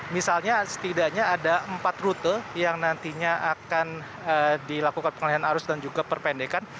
misalnya setidaknya ada empat rute yang nantinya akan dilakukan pengalihan arus dan juga perpendekan